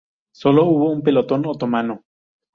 Solo hubo un pelotón otomano.